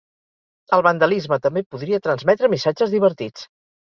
El vandalisme també podria transmetre missatges divertits!